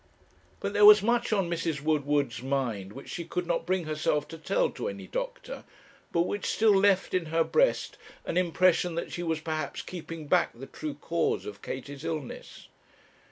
But there was much on Mrs. Woodward's mind which she could not bring herself to tell to any doctor, but which still left in her breast an impression that she was perhaps keeping back the true cause of Katie's illness.